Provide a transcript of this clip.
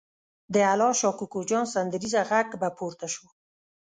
د الله شا کوکو جان سندریزه غږ به پورته شو.